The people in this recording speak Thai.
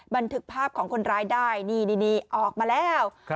บันทึกภาพของคนร้ายได้นี่ออกมาแล้ว